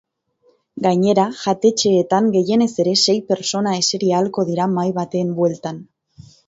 Gainera, jatetxeetan gehienez ere sei pertsona eseri ahalko dira mahai baten bueltan.